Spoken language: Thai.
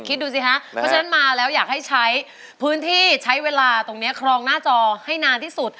คิดดูสิคะเพราะฉะนั้นมาแล้วอยากให้ใช้พื้นที่ใช้เวลาตรงนี้ครองหน้าจอให้นานที่สุด